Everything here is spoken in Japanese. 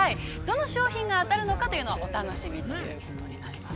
どの商品が当たるのかというのは、お楽しみということになります。